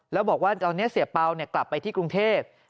แล้วบอกว่าตอนนี้เสียเปล่ากลับไปที่กรุงเทพ